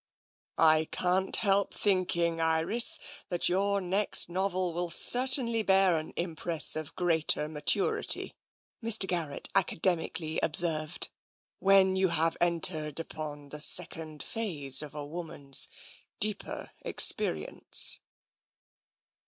" I can't help thinking, Iris, that your next novel will certainly bear an impress of greater maturity," Mr. Garrett academically observed, "when you have entered upon the second phase of a woman's deeper experience."